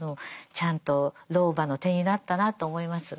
ちゃんと老婆の手になったなと思います。